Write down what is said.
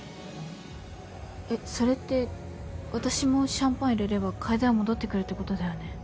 えっそれって私もシャンパン入れれば楓は戻ってくるってことだよね。